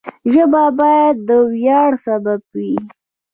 ژبه باید د ویاړ سبب وي.